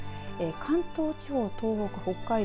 関東地方、東北、北海道